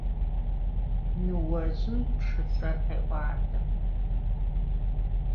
Ныожъым пшысэр къеӏуатэ.